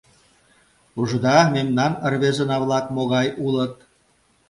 Ужыда, мемнан рвезына-влак могай улыт?